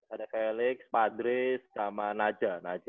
ada felix padris sama naja